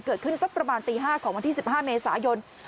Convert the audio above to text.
เกิดขึ้นสักประมาณตี๕ของวันที่๑๕เมษายน